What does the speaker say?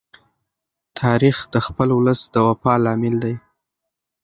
تاریخ د خپل ولس د وفا لامل دی.